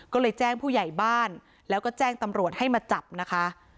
ก็เลยแจ้งผู้ใหญ่บ้านแล้วก็แจ้งตำรวจให้มาจับนะคะ